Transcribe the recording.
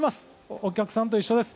お客さんと一緒です。